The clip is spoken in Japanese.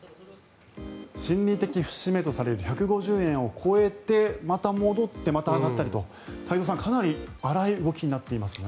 心理的節目とされる１５０円を超えてまた戻って、また上がったりと太蔵さん、かなり荒い動きになっていますね。